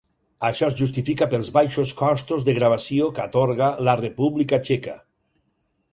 Això es justifica pels baixos costos de gravació que atorga la República Txeca.